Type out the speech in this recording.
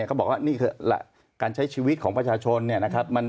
เขาบอกว่านี่คือการใช้ชีวิตของประชาชน